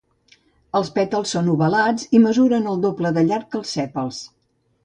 Els pètals són ovats, i mesuren el doble de llarg que els sèpals.